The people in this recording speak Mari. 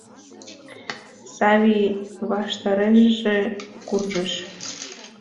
Савий ваштарешыже куржеш.